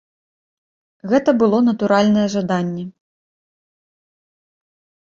Гэта было натуральнае жаданне.